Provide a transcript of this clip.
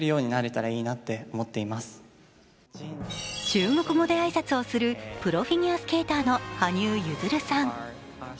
中国語で挨拶をするプロフィギュアスケーターの羽生結弦さん。